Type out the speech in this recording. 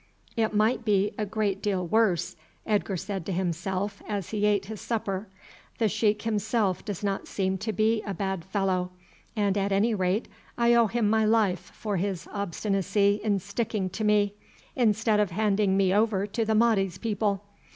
"It might be a great deal worse," Edgar said to himself as he ate his supper; "the sheik himself does not seem to be a bad fellow; and at any rate I owe him my life for his obstinacy in sticking to me, instead of handing me over to the Mahdi's people.